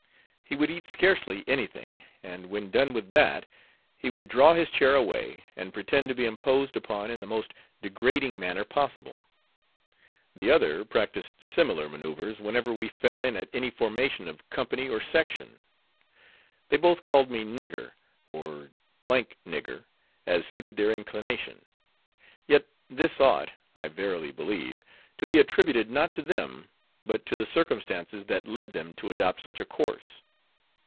He would eat scarcely anything, and when done with that he would draw his chair away and pretend to be imposed upon in the most degrading manner possible. The other practised similar manoeuvres whenever we fell in at any formation of company or section. They both called me "nigger," or "d d nigger," as suited their inclination. Yet this ought, I verily believe, to be attributed not to them, but to the circumstances that led them to adopt such a course.